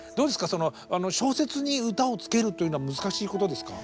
その小説に歌をつけるっていうのは難しいことですか？